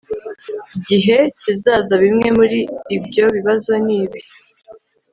gihe kizaza bimwe muri ibyo bibazo ni ibi